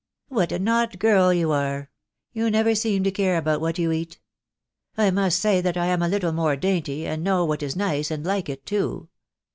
" What an odd girl you are !...• You never seem to care about what you eat. .... I must say that I am a little more dainty, and know what is nice, and like it too.